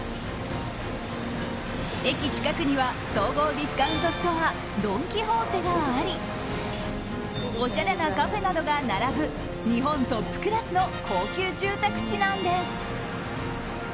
駅近くには総合ディスカウントストアドン・キホーテがありおしゃれなカフェなどが並ぶ日本トップクラスの高級住宅地なんです。